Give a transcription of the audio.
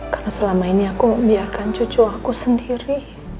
karena selama ini aku membiarkan cucu aku sendiri